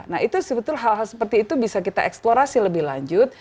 nah itu sebetulnya hal hal seperti itu bisa kita eksplorasi lebih lanjut